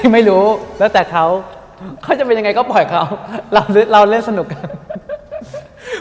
ไม่รู้แล้วแต่เขาเขาจะเป็นยังไงก็ปล่อยเขาเราเล่นสนุกกัน